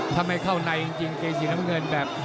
ถ้าไม่เข้าในจริงเกงสีน้ำเงินแบบ